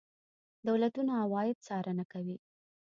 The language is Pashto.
دولتونه عواید څارنه کوي.